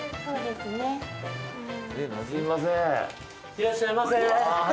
いらっしゃいませ。